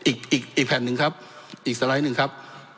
อีกอีกแผ่นหนึ่งครับอีกสไลด์หนึ่งครับ